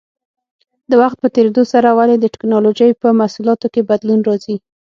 د وخت په تېرېدو سره ولې د ټېکنالوجۍ په محصولاتو کې بدلون راځي؟